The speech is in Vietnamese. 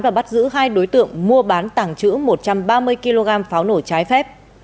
và bắt giữ hai đối tượng mua bán tảng chữ một trăm ba mươi kg pháo nổ trái phép